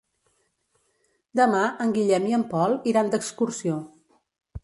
Demà en Guillem i en Pol iran d'excursió.